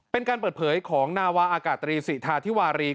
เป็นการเปิดเผยของนาวาอากาศตรีสิทาธิวารี